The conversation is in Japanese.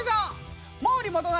毛利元就